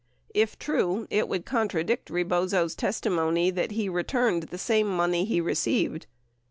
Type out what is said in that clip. If true, it would contradict Rebozo's testimony that he returned the same money he received.